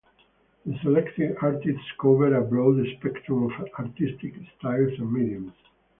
The selected artists cover a broad spectrum of artistic styles and mediums.